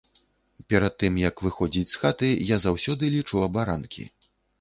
Перад тым як выходзіць з хаты, я заўсёды лічу абаранкі.